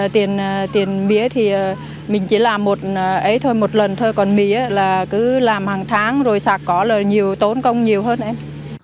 tiền mía thì mình chỉ làm một lần thôi còn mía là cứ làm hàng tháng rồi sạc có là tốn công nhiều hơn em